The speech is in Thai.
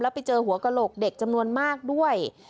ไปเจอหัวกระโหลกเด็กจำนวนมากด้วย